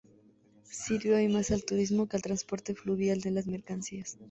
Sirve hoy más al turismo que al transporte fluvial de mercancías.